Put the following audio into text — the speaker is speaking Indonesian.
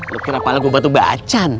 lu kira pala gua batu bacan